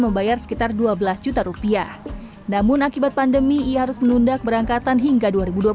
membayar sekitar dua belas juta rupiah namun akibat pandemi ia harus menunda keberangkatan hingga dua ribu dua puluh satu